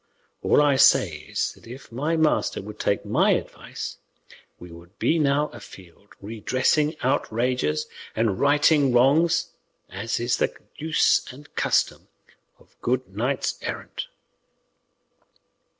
All I say is, that if my master would take my advice, we would be now afield, redressing outrages and righting wrongs, as is the use and custom of good knights errant."